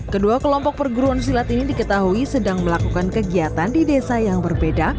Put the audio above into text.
kedua kelompok perguruan silat ini diketahui sedang melakukan kegiatan di desa yang berbeda